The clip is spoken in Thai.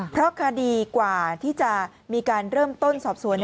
เพราะคดีกว่าที่จะมีการเริ่มต้นสอบสวน